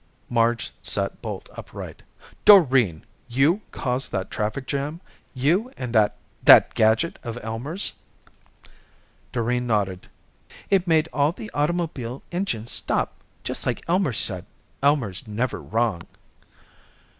Marge sat bolt upright. "Doreen! You caused that traffic jam? You and that that gadget of Elmer's?" Doreen nodded. "It made all the automobile engines stop, just like Elmer said. Elmer's never wrong."